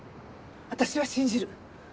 私は信じる。